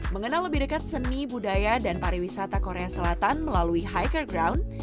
mengenal lebih dekat seni budaya dan pariwisata korea selatan melalui hiker ground